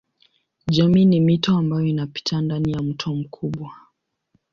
Jamii ni mito ambayo inapita ndani ya mto mkubwa.